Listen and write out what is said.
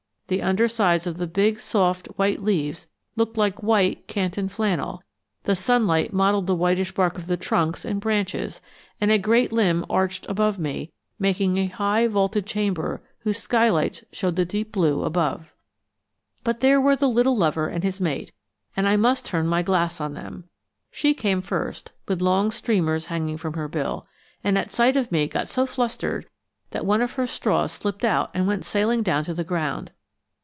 The undersides of the big, soft, white leaves looked like white Canton flannel; the sunlight mottled the whitish bark of the trunks and branches; and a great limb arched above me, making a high vaulted chamber whose skylights showed the deep blue above. But there were the little lover and his mate, and I must turn my glass on them. She came first, with long streamers hanging from her bill, and at sight of me got so flustered that one of her straws slipped out and went sailing down to the ground.